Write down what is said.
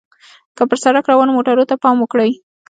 که پر سړک روانو موټرو ته پام وکړئ.